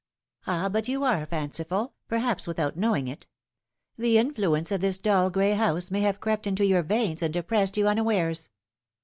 "Ah, but you are fanciful, pcruaps without knowing it. The influence of this dull gray house may have crept into your veins and depressed you unawares.